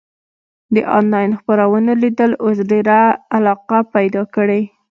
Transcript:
د انلاین خپرونو لیدل اوس ډېره علاقه پیدا کړې.